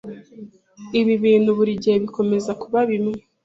Ibi bintu burigihe bikomeza kuba bimwe.